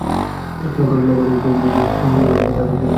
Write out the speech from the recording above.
লঙ্কা, মরিচ প্রভৃতি তীক্ষ্ণ দ্রব্য তাঁহার বড় প্রিয় ছিল।